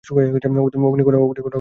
অগ্নিকণা জ্বলে বারবার।